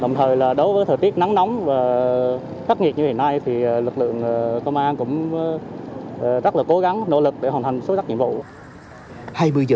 đồng thời là đối với thời tiết nắng nóng và khắc nghiệt như hiện nay thì lực lượng công an cũng rất là cố gắng nỗ lực để hoàn thành xuất sắc nhiệm vụ